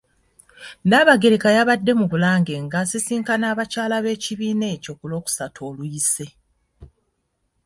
Nnaabagereka yabadde mu Bulange nga asisinkana abakyala b'ekibiina ekyo ku lwokusatu oluyise.